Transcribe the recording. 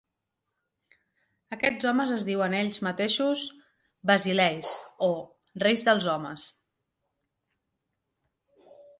Aquests homes es diuen ells mateixos "basileis", o "reis dels homes".